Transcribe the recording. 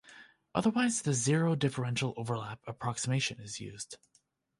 Otherwise the zero-differential overlap approximation is used.